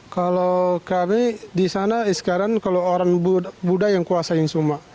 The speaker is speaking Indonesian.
kalau kami di sana sekarang kalau orang buddha yang kuasa yang semua